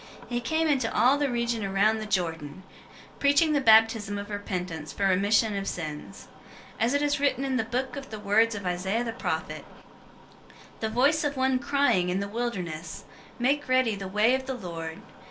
003:003 He came into all the region around the Jordan, preaching the baptism of repentance for remission of sins. 003:004 As it is written in the book of the words of Isaiah the prophet, "The voice of one crying in the wilderness, 'Make ready the way of the Lord.